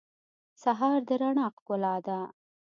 سهار د رڼا ښکلا ده.